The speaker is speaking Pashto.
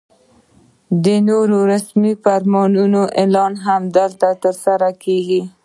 د نویو رسمي فرمانونو اعلان هم دلته ترسره کېږي.